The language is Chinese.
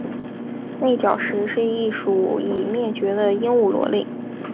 内角石是一属已灭绝的鹦鹉螺类。